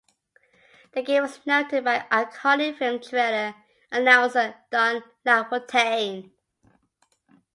The game is narrated by iconic film trailer announcer Don LaFontaine.